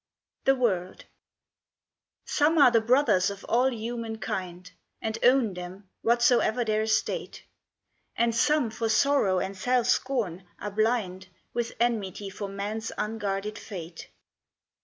The World Some are the brothers of all humankind, And own them, whatsoever their estate; And some, for sorrow and self scorn, are blind With enmity for man's unguarded fate.